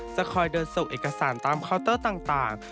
จะคอยเดินส่งเอกสารตามเคาน์เตอร์ต่าง